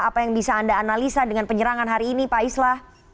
apa yang bisa anda analisa dengan penyerangan hari ini pak islah